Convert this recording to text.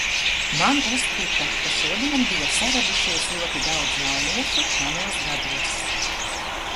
Man uzkrita ka šodien bija saradušies ļoti daudz jauniešu manos gados.